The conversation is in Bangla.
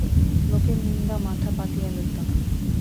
লোকের নিন্দা মাথা পাতিয়া লইতাম।